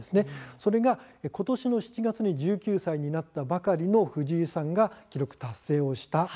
それがことしの７月に１９歳になったばかりの藤井さんが記録達成をした。